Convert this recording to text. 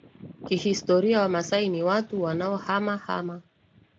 Kihistoria Wamaasai ni watu wanaohama hama